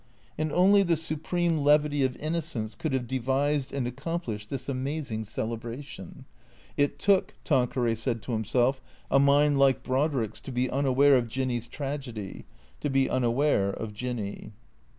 And only the supreme levity of innocence could have devised and accomplished this amazing celebration. It took, Tanqueray said to himself, a mind like Brodrick's to be unaware of Jinny's tragedy, to be unaware of Jinny.